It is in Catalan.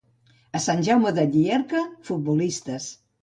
A Sant Jaume de Llierca, futbolistes.